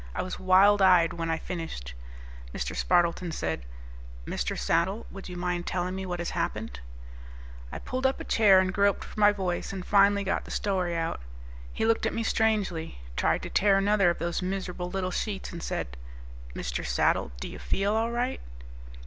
I was wild eyed when I finished. Mr. Spardleton said, "Mr. Saddle, would you mind telling me what has happened?" I pulled up a chair, groped for my voice, and finally got the story out. He looked at me strangely, tried to tear another of those miserable little sheets, and said, "Mr. Saddle, do you feel all right?"